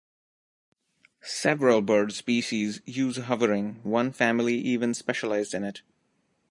Several bird species use hovering, one family even specialized in it.